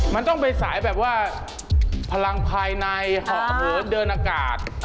มันต้องไปสายแบบว่าพลังภายในหอบเผลอเดินอากาศ